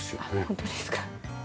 本当ですか。